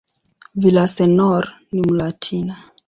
Villaseñor ni "Mlatina".